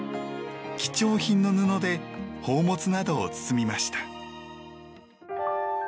貴重品の布で宝物などを包みました。